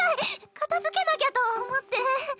片づけなきゃと思って。